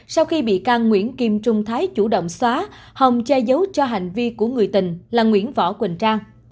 sau khi bị can nguyễn kim trung thái chủ động xóa hồng che giấu cho hành vi của người tình là nguyễn võ quỳnh trang